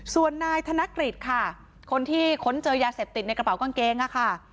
ส่วนนายธนกฤษค่ะคนที่ค้นเจอยาเสพติดในกระเป๋ากางเกงค่ะ